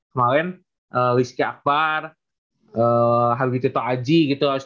kemarin rizky akbar hargitito aji gitu